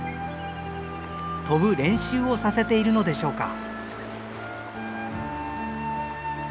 飛ぶ練習をさせているのでしょうか。